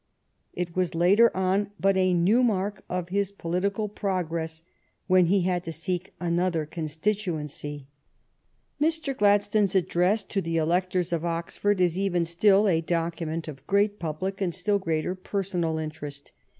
It was later on but a new mark of his politi cal progress when he had to seek another constitu ency. Mr. Gladstone's address to the electors of Oxford is even still a document of great public and still greater personal interest.